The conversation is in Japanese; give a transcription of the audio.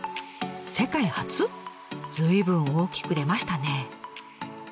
随分大きく出ましたね。